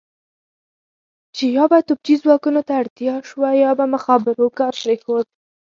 چې یا به توپچي ځواکونو ته اړتیا شوه یا به مخابرو کار پرېښود.